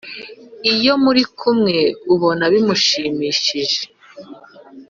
iyo muri kumwe ubona bimushimishije .